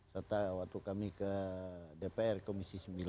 serta waktu kami ke dpr komisi sembilan